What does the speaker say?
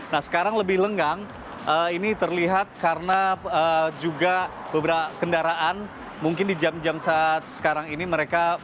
nah sekarang lebih lenggang ini terlihat karena juga beberapa kendaraan mungkin di jam jam saat sekarang ini mereka